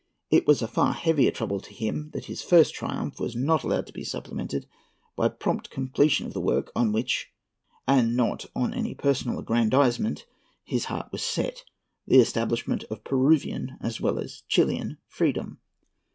It was a far heavier trouble to him that his first triumph was not allowed to be supplemented by prompt completion of the work on which, and not on any individual aggrandisement, his heart was set—the establishment of Peruvian as well as Chilian freedom.